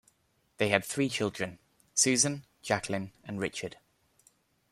They had three children: Susan, Jacqueline and Richard.